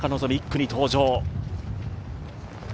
１区に登場。